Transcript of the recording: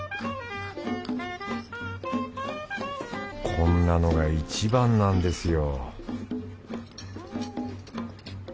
こんなのがいちばんなんですよ